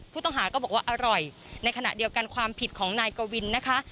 ผู้ต้องหาก็บอกว่าอร่อยในขณะเดียวกันความผิดของนายกวินนะคะ